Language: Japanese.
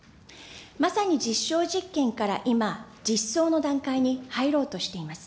まさに実証実験から今、実相の段階に入ろうとしています。